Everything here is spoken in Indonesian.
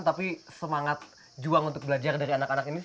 tapi semangat juang untuk belajar dari anak anak ini